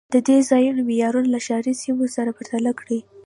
د دې ځای معیارونه له ښاري سیمو سره پرتله کړئ